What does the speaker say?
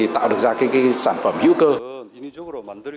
tạo được ra cái sản phẩm hữu cơ